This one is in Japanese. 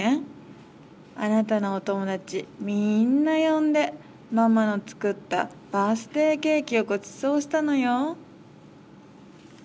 あなたのおともだちみんなよんで、ママのつくったバースデイケーキをごちそうしたのよ』」。